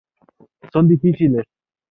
Son difíciles.